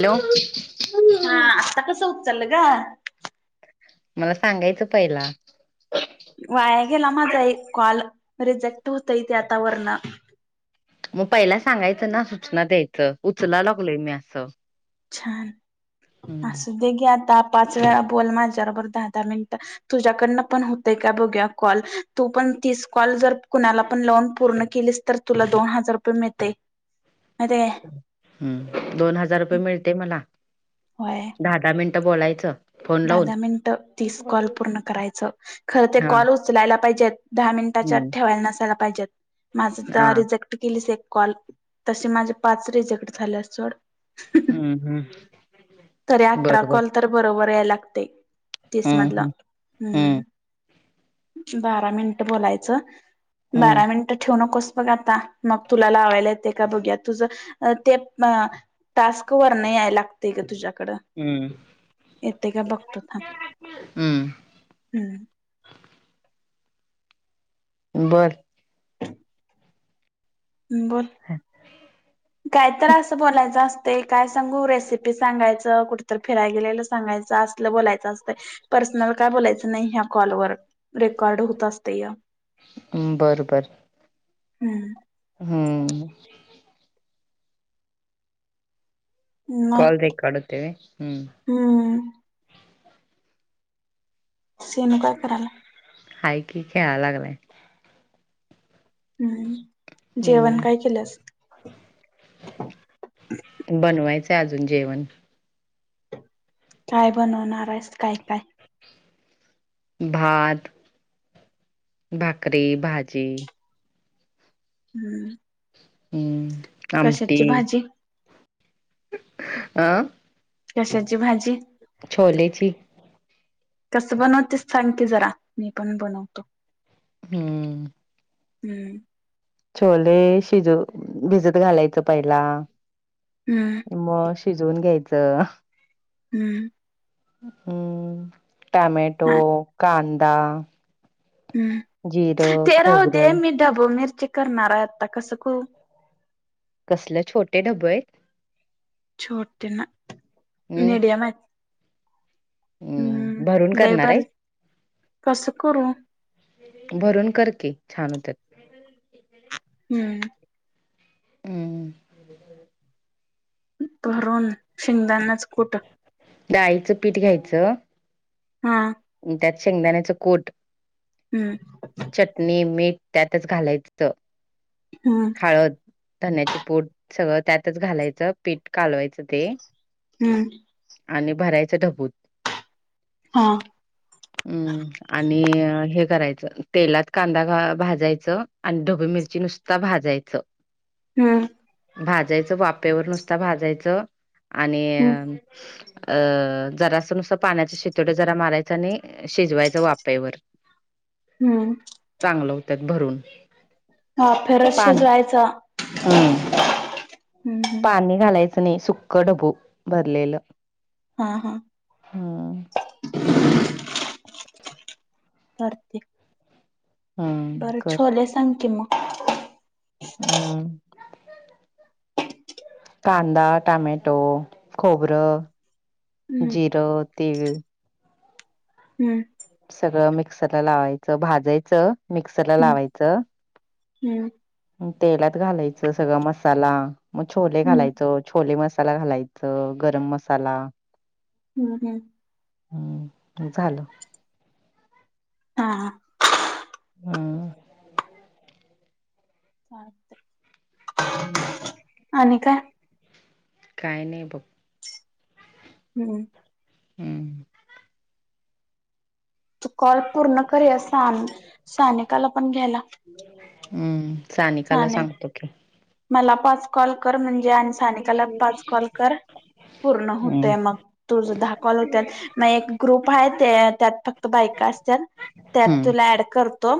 Hello! हा.. आता कसं उचल ग... मला सांगायचं पहिला. वाया गेला माझा एक कॉल रिजेक्ट होतय ते आता वरन. मग पहिला सांगायचं ना सूचना द्यायचं उचला लागलोय मी असं. छान.. हम्म असू दे की आता पाच वेळा बोल माझा बरोबर दहा -दहा मिनिट. तुझ्याकडन पण होतय का बघू कॉल, तू पण तीस कॉल जर कुणाला पण लावून पूर्ण केलीस तर तुला दोन हजार रुपये मिळतय.. अरे हम्म... दोन हजार रुपये मिळते मना. व्हय दहा -दहा मिनिटं बोलायचं. फोन दहा लावून -दहा मिनिटं तीस कॉल पूर्ण करायचं, खरं ते हा कॉल उचलायला पाहिजेत. दहा मिनिटाच्या हम्म ठेवायला नसायला पाहिजेत, हा माझं [inaudible] केलीस एक कॉल तसे माझे पाच रिझेक्ट झाले सोड ह्.. ह्.. हम्म.. हम्म... तरी अठरा बरोबर कॉल तर बरोबर याय लागतंय. हम्म तीसमधलं, हम्म हम्म.. बारा मिनट बोलायचं. हम्म बारा मिनट ठेव नकोस बघ आता, मग तुला लावायला येत का बघूया तुझं.. ते.. अ.. टास्क वरन याय लागतय ग.. तुझ्या कड.. हम्म हम्म येते का बघतो थांब, हम्म हम्म बरं बोल हा काय तर असं बोलायचं असते काय सांगू रेसिपी सांगायच. कुठ फिरायला गेलेल सांगयचं असलं बोलायचं पर्सनल बोलायचं तर नाही ह्या कॉलवर रेकॉर्ड होत असत या. बर बर हम्म हम्म मग कॉल रेकॉर्ड होतंय व्हव. हम्म हम्म.. ह्म्म्म त्यांन काय कराव लागतंय. आहे की खेळाय लागलाय. ह़.. ह़.. हम्म बनवायचंय अजून जेवण. काय बनवणार आहेस काय काय. भात भाकरी भाजी. हम्म. हम्म. कशाची भाजी. आ. कशाची भाजी? छोलेची. कसं बनवतेस सांग की जरा मी पण बनवतो. हम्म. हम्म. छोले शिजू भिजत घालायचं पहिला. हम्म. मग शिजवून घ्यायचं. हम्म. हम टमॅटो हा. कांदा. हम्म जिरं ते राहू दे खोबरं. मी मिरची करणार आहेत आता कसं करू. कसले छोटे डबे आहेत. छोटे नाही हम्म मीडियम आहेत. हम्म भरून करणार आहे. कसं करू भरून कर की छान होतात. हम्म. हम्म. भरून शेंगदाण्याचा कूट. डाळीचं पीठ घ्यायचं. हा. त्यात शेंगदाण्याचा कूट. हम्म. चटणी मीठ त्यातच घालायचं. हम्म. हळद ढाण्याची पुट सगळं त्यातच घालायचं पीठ कालवायचं. ते हम्म आणि भरायचा डब्यात. हा. ह. हम आणि हे करायचं तेलात कांदा भाजायचं आणि ढोबी मिरची नुसत. नुसता भाजायचं. हम्म. भाजायचं वाफेवर नुसता भाजायचं आणि हम्म अ जरासं नुसतं पाण्याचे शिंतोडे जरा मारायचा आणि शिजवायच्या वाफेवर. हम्म. चांगलं होत्यात भरून. वाफेवरच शिजवायचा. हम हम्म हम्म पाणी घालायचं नई सुक्कं ढबू भरलेलं. हा हा हम्म करते. हम्म बरं कर छोले सांग की मग. हम् कांदा टमॅटो खोबरं हम्म जिरं तीळ. हम्म. सगळं मिक्सरला लावायचं, भाजायचं, मिक्सरला हम्म लावायचं. हम्म. तेलात घालायचं सगळा मसाला म छोले हम्म घालायचं छोले मसाला घालायचं गरम मसाला हम् हम्. हम्म झालं. आ हा. हम. चालतंय. हम्म. आणि काय? काय नाय बघ. हम्म. हम्. तू कॉल पुर्ण कर ह्या साधी सानिकाला पण घ्याला हम्म सानिकाला सांगतो की. मला पाच कॉल कर म्हणजे आणि सानिकाला पाच कॉल कर. पूर्ण हम्म होतया मग. तुझं दहा कॉल होत्यात म एक ग्रुप हाय त्यात फक्त बायका असत्याल‌ त्यात हम्म तुला ऍड करतो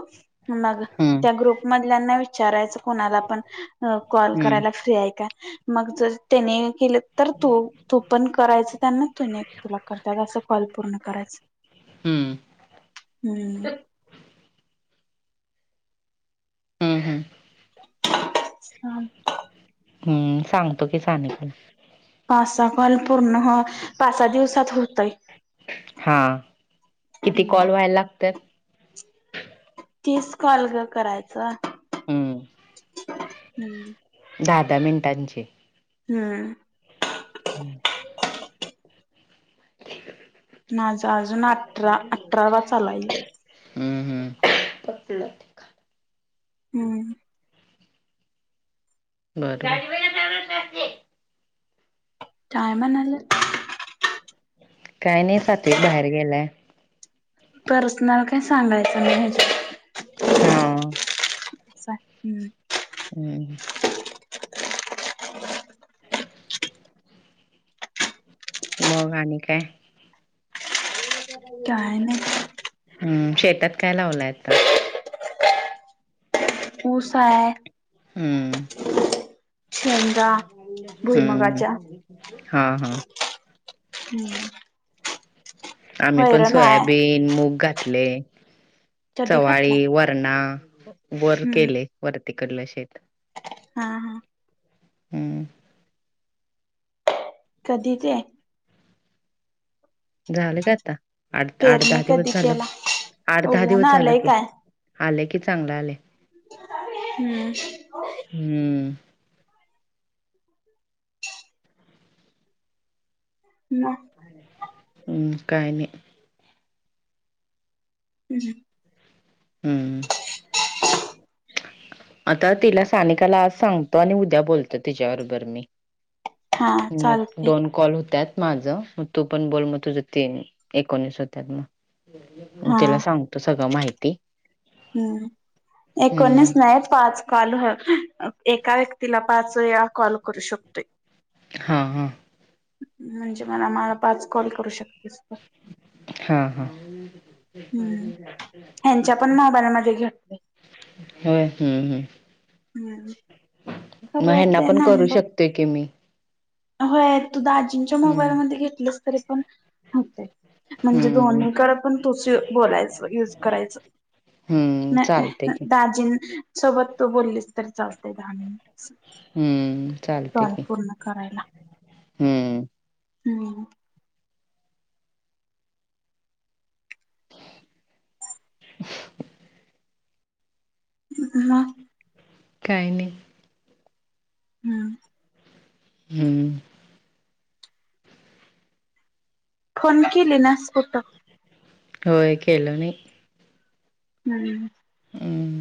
मग हम्म त्या ग्रुप मधल्यांना विचारायचं कोणाला पण अ कॉल हम्म करायला फ्री हाय का मग जर त्यानी केली तर तु तु पण करायचं त्यांना तुनी तूला करता करता कॉल पूर्ण करायच् हम्म. हम्म हुं हुं. सांग. हुम्म सांगतो की सानिकाला. पाच सा कॉल पूर्ण हं पाच सा दिवसात होतंय. हा किती कॉल व्हायला लागत्यात. तीस कॉल ग करायचं. हं. हम्म. दहा दहा मिनटांचे. हम्म. हम्म. माझा अजून अठरा अठरावा चालू आये. हम्म हम्म हम्म. बरं. काय म्हणालात? काय नाही सात्विक बाहेर गेलाय. पर्सनल काही सांगायचं नाही ह्याच्यात. हा. हम्म. हम्. मग आणि काय. काय नाही. हम्म शेतात काय लावलाय आता. ऊस आहे. हम्म. ह. भुईमगाच्या हम्म हा हा. हम्म. आम्ही पण वैरण हाय सोयाबीन मूग घातली आहे. कधी चवळी घातलाय वरणा वर हम्म केले वरतीकडलं शेत हा हा. हम्. कधीची आहे? झालं का आता आठ आठ पेरणी दहा कधी दिवस झालं केला आठ दहा उगवून दिवस झालं आलंय की. काय आलं की चांगल आलंय. हम्म. हम्म. ह. म ह काय नाही. ह् ह. हम्म. आता तिला सानिकाला आज सांगतो आणि उद्या बोलतो तिच्याबरोबर मी. हा मग चालतय दोन. कॉल होत्यात माझ मग तू पण बोल मग तुझ तीन एकोणीस होत्यात मग. हा तिला सांगतो सगळं माहिती. हम्म एकोणीस हम्म नाही पाच. कॉल हं एका व्यक्तीला पाच वेळा कॉल करू शकतोय हां हा. म्हणजे मला मला पाच कॉल करू शकतेस तू. हा हा. हम्म ह्यांच्या पण मोबाईल मध्ये घेतलं. हम्म. हम्. मग ह्याना पण करू शकते की मी. होय तू दाजींच्या हम्म मोबालमध्ये घेतलेस तरी पण होते. म्हणजे हम्म दोन्हीकड पण तुच बोलायचं युज करायचं. हम्म नाही चालते की दाजीं सोबत तू बोलीस तरी चालतंय दहा मिनटं. हम्म. टन पूर्ण करायला. हम्. हम्म. हं. मग. काही नाही. हम्. हम्म. फोन किली नायस कूट. होय केल नाही. हम्म. हमं.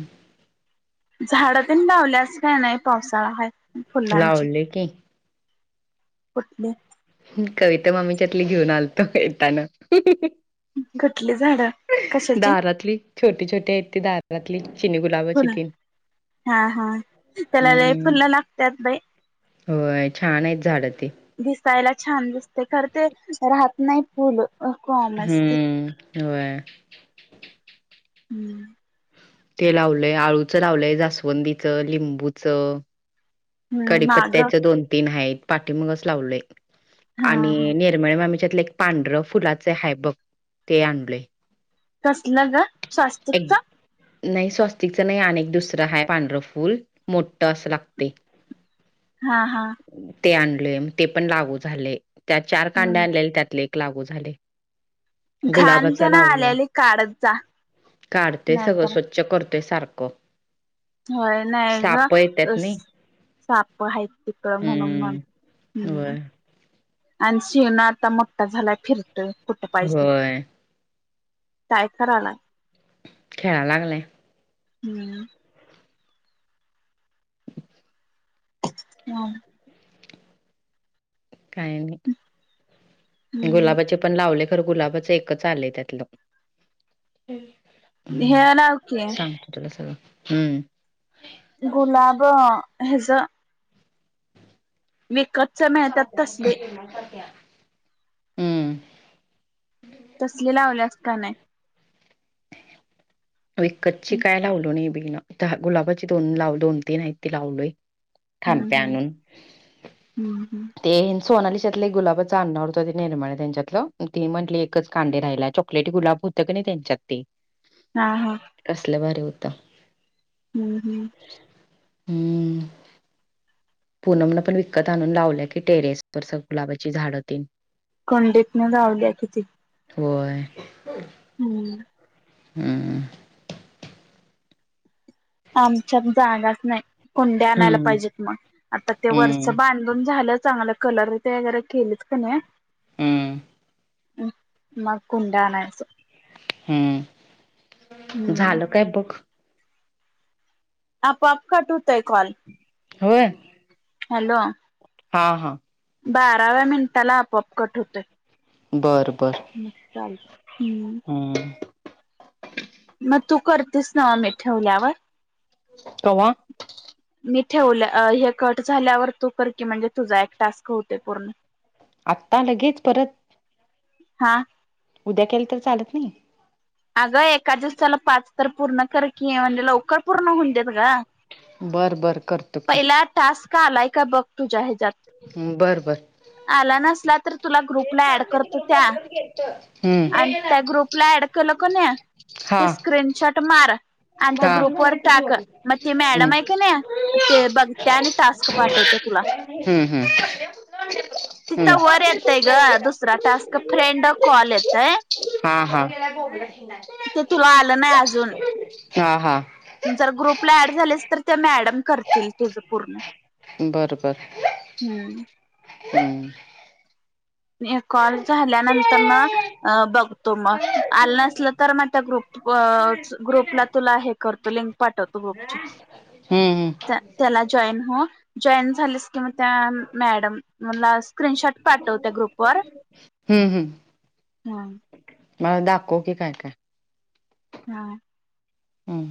झाडतेनं लावल्यास काही नाही पावसाळा हाय. फुलांची लावले की. कुठले? कविता मामीच्यातली घेऊन आलतो येतान. कुठली झाडं कशाची दारातली छोटी छोटी आहेत ती दार दरातली चिनी गुलाबाची फुल तीन. हा हा त्याला लय हम्म फुलं लागत्यात बाई. होय छान आहेत झाड ते. दिसायला छान दिसते खर ते राहत नाही फुल. कॉम असते हम्म व्हय. हुम. ते लावलंय अळूचं लावलंय जास्वंदीच लिंबूचा. माग कढीपत्त्याचे दोन-तीन आहेत पाठीमागे लावलंय. हा हा [unintelligible] त्यातलं एक पांढर फुलाचं आहे बघ ते आणलय. कसलं ग स्वस्त एक इकचा. नाही स्वस्तिकचा नाही आणि एक दुसरं एक आहे पांढर फुल मोठा असा लागतय. हा हा. ते आणले ते पण लागू झाले त्या चार कांड्या हम्म आलेल्या त्यातलं एक लागू झालंय. घाण गुलाबाचं ते ना लावलंय आलेली काढत जा काढते सगळं नाहीतर स्वच् चेक करतोय सारखं. माया नाय साप ग येत्यात नाही साप हायती. तर म्हणून मन हम्म होय. हुम. अनशेना आत्ता मोठा झालाय फिरतोय कुठे पाहिजे तिथं. होय टाईप करालाय. खेळा लागलाय. हुम. मंग. काय नाही हम्म गुलाबाची. पण लावलं तर गुलाबाचं एकच आलय त्यातलं हुम. हुम हे लाव की सांगते तुला सगळं हुम. गुलाब याचं. मेकअपचं ज्ञातेत तसले. मग पत्या. हम्म. तसले लावल्यास का, नाही. विकतची काय लावलं नाही बाईना, तर हा गुलाबाची दोन लावलो दोन तीन आहे ती लावलंय. हम्म थांबते हम्म आणून. हम्म हम्म तेन सोनाली त्यांच्यातलं एक गुलाबच आणणार होतो, आणि निर्मळ त्यांच्यातला पण ती म्हटली एकच कांदे राहिलाय, चॉकलेटी गुलाब होतं की नाय त्यांच्यात ते? हा हा. कसला भारी होत. हम्म हम्म. हम्म. पुनम न पण विकत आणून लावले की टेरेसवर सब गुलाबाची झाडतेन. कुंडीत न लावल्या किती. होय. हम्मं. हुम. आमच्यात जागाच नाही, कुंड्या आणायला हम्म पाहिजेत मग, आत्ता ते हम्म वरचं बांध बांधून झालं चांगलं, कलर ते जरा केलेत कनी. [inaudible] मग कुंड्या आणायचं? हम्म हम्म झालं काय बघ? आपोआप कट होतय कॉल. होय. हॅलो. हा हा. बाराव्या मिनिटाला आपोआप कट होतंय. बरं बरं. मग् चाल हम्म. हम्म. मग तु करतेस, नवे मी ठेवल्यावर. कव्हा मी ठेवल्या हे कट झाल्यावर तु, कर की म्हणजे तुझा एक टास्क होते पूर्ण. [unintelligible] आत्ता लगेच परत? हा. उद्या केलं तर चालत नाही. अगं! एका दिवसाला पाच तर पूर्ण कर की, म्हणजे लवकर पूर्ण होऊन देत ग, बर बर करतो की पहिला टास्क आलाय का बघ तुझ्या ह्याच्यात. हम्म बर बर. आला नसला तर, तुला ग्रुपला ऍड करतो त्या आणि हम्म त्या ग्रुप ग्रुपला ॲड केलो कणी, हा ते स्क्रीनशॉट मार. आणि त्या हा ग्रुपवर टाक, मग ति मॅडम आहे कणी ते बघते टास्क हम्म पाठवत तुला. हम्म हम्म. हम्म तिथं वर येतय ग दुसरा टास्क फ्रेंड कॉल येतय हा हा. [unintelligible] ते तुला आलं नाही अजून. हा, हा जर ग्रुपला ऍड झालेस, तर त्या मॅडम करतील तुझं पूर्ण. बरं - बरं हम्म हम् मी, एक कॉल झाल्यानंतर न अ बघतो म, आलं नसलं तर म त्या ग्रुप व च ग्रुपला तुला, हे करतो लिंक पाठवतो गुप हम्म - हम्म त्याला जॉईंट हो, जॉईन झालीस, की त्या मॅडमला स्क्रीन शॉट पाठव त्या ग्रुपवर, हम्म हम्म हम्म मला दाखव की काय - काय? हा हम्म